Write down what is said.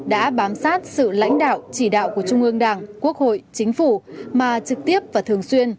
đã bám sát sự lãnh đạo chỉ đạo của trung ương đảng quốc hội chính phủ mà trực tiếp và thường xuyên